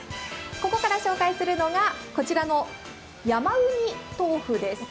ここから紹介するのがこちらの山うにとうふです。